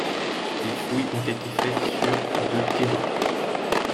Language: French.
Les fouilles ont été faites sur de terrain.